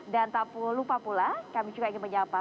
dan tak lupa pula kami juga ingin menyapa